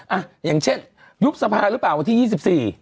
อ่ะอย่างเช่นยุคสภาหรือเปล่าวันที่๒๔